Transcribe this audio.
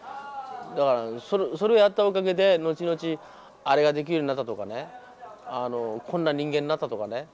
それをやったお陰で後々あれができるようになったとかねこんな人間になったとかね